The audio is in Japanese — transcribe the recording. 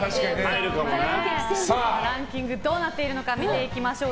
ランキングどうなっているのか見ていきましょう。